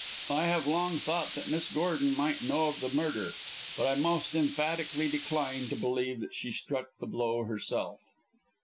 I have long thought that Miss Gordon might know of the murder, but I most emphatically decline to believe that she struck the blow herself."